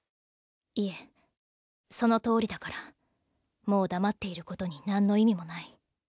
いえそのとおりだからもう黙っている事になんの意味もない。